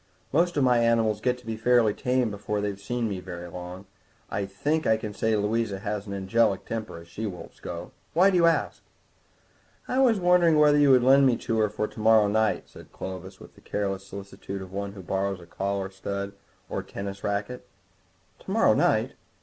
Most of my animals get to be fairly tame before they've been with me very long; I think I can say Louisa has an angelic temper, as she wolves go. Why do you ask?" "I was wondering whether you would lend her to me for to morrow night," said Clovis, with the careless solicitude of one who borrows a collar stud or a tennis racquet. "To morrow night?"